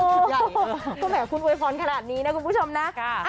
ก็แหม่งว่าคุณอวยพรขนาดนี้นะคุณผู้ชมนะ